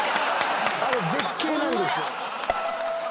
あれ絶景なんですよ。